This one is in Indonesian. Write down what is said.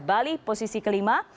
bali posisi ke lima